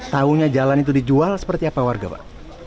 tahunya jalan itu dijual seperti apa warga pak